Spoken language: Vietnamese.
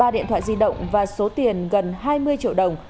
ba điện thoại di động và số tiền gần hai mươi triệu đồng